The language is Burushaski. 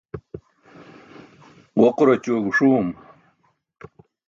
Ġoquraćue guṣuum.